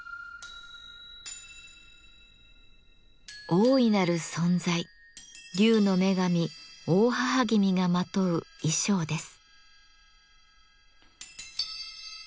大いなる存在竜の女神・大妣君がまとう衣装です。